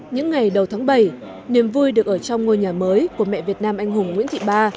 những ngày đầu tháng bảy niềm vui được ở trong ngôi nhà mới của mẹ việt nam anh hùng nguyễn thị ba